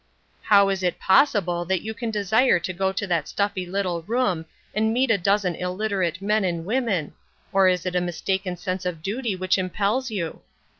" How is it possible that you can desire to go to that stuffy little room and meet a dozen illit erate men and women or, is it a mistaken Dense of duty which impels you?"